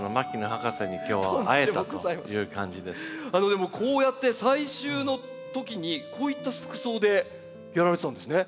でもこうやって採集のときにこういった服装でやられてたんですね。